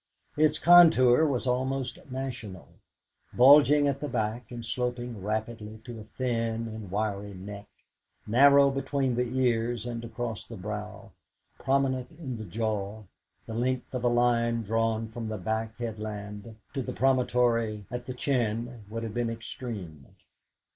Its contour was almost national. Bulging at the back, and sloping rapidly to a thin and wiry neck, narrow between the ears and across the brow, prominent in the jaw, the length of a line drawn from the back headland to the promontory at the chin would have been extreme.